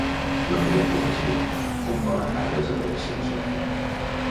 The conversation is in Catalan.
No feia poesia, com bona part dels adolescents sol fer...